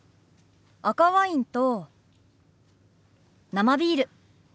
赤ワインと生ビール。